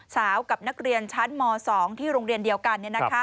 กับนักเรียนชั้นม๒ที่โรงเรียนเดียวกัน